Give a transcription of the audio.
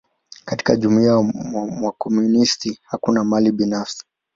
Katika jumuia ya wakomunisti, hakuna mali binafsi.